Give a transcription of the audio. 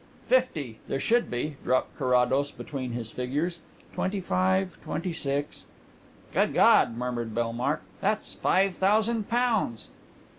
"Fifty, there should be," dropped Carrados between his figures. "Twenty five, twenty six " "Good God," murmured Bellmark; "that's five thousand pounds!"